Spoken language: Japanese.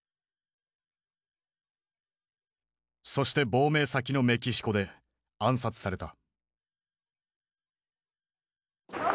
そして亡命先のメキシコで暗殺された。